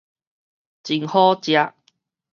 真好食